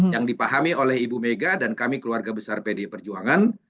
yang dipahami oleh ibu mega dan kami keluarga besar pdi perjuangan